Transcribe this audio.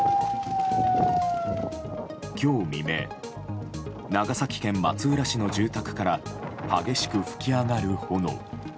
今日未明長崎県松浦市の住宅から激しく噴き上がる炎。